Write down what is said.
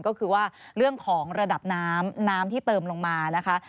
ก็คือว่าเรื่องของระดับน้ำน้ำที่เติมลงมานะคะ